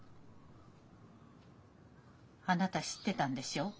あなた知ってたんでしょ？